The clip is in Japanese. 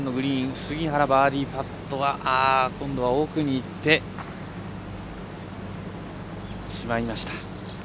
杉原のバーディーパットは奥にいってしまいました。